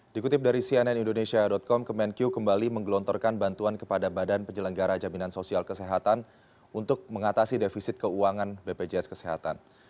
dikutip dari cnn indonesia com kemenq kembali menggelontorkan bantuan kepada badan penyelenggara jaminan sosial kesehatan untuk mengatasi defisit keuangan bpjs kesehatan